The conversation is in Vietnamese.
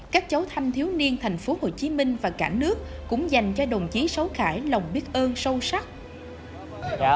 các cháu thanh thiếu niên thành phố hồ chí minh và cả nước cũng dành cho đồng chí sáu khải lòng biết ơn sâu sắc